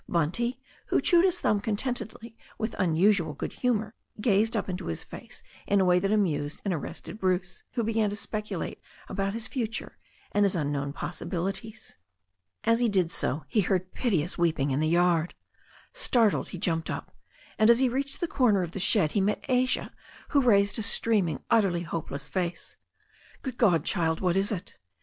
Bunty, who chewed his thumb contentedly with unusual good humour, gazed up into his face in a way that amused and arrested Bruce, who began to speculate about his future and his un known possibilities. As he did so, he heard piteous weep THE STORY OF A NEW ZEALAND RIVER 183 ing in the 3rard. Startled, he jumped up, and as he reached the corner of the shed he met Asia, who raised a stream ing, utterly hopeless face. "Good God, child ! What is it?"